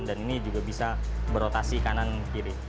dan ini juga bisa berotasi kanan kiri